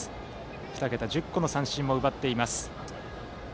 ２桁１０個の三振も奪っています。